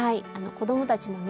子どもたちもね